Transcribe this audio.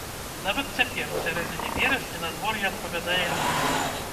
Нават цяпер, у сярэдзіне верасня, надвор'е адпавядае ліпеню.